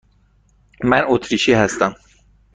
من اتریشی هستم.